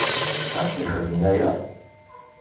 Amek i xedmen aya?